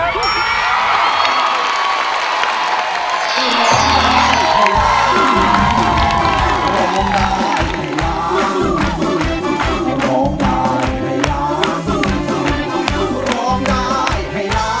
เพลงที่๑นะครับมูลค่า๑๐๐๐๐บาท